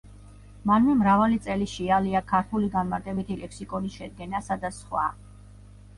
მანვე მრავალი წელი შეალია ქართული განმარტებითი ლექსიკონის შედგენასა და სხვა.